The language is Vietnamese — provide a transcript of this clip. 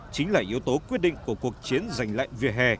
chính là yếu tố quyết định của cuộc chiến giành lạnh vỉa hè